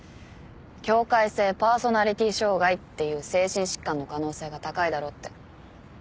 境界性パーソナリティー障害っていう精神疾患の可能性が高いだろうって。